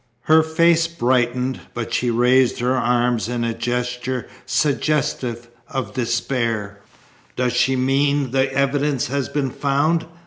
Her face brightened, but she raised her arms in a gesture suggestive of despair. "Does she mean the evidence has been found?"